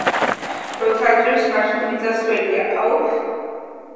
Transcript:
როცა წვიმს მაშინ მიწა სველია აუფ